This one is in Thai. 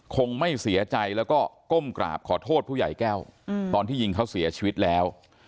คงไม่เสียใจแล้วก็ก้มกราบขอโทษผู้ใหญ่แก้วตอนที่ยิงเขาเสียชีวิตแล้ว